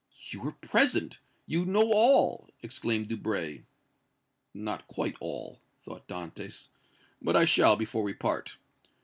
"You were present you know all!" exclaimed Debray. "Not quite all," thought Dantès, "but I shall before we part.